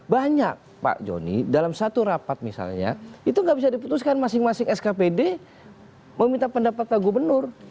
banyak pak joni dalam satu rapat misalnya itu nggak bisa diputuskan masing masing skpd meminta pendapat pak gubernur